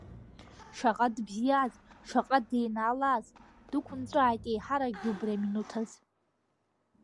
Шаҟа дыбзиаз, шаҟа деинаалаз, дықәынҵәааит, еиҳаракгьы, убри аминуҭаз!